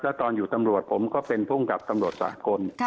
แล้วตอนอยู่ตำรวจผมก็เป็นภูมิกับตำรวจสากล